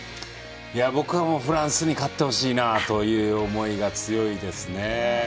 僕はもうフランスに勝ってほしいなという思いが強いですね。